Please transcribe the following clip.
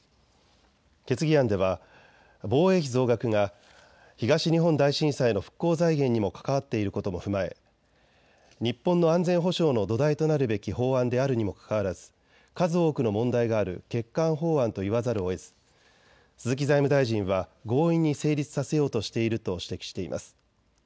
決議案では防衛費増額が東日本大震災の復興財源にも関わっていることも踏まえ日本の安全保障の土台となるべき法案であるにもかかわらず数多くの問題がある欠陥法案と言わざるをえず鈴木財務大臣は強引に成立させようとしていると指摘しています。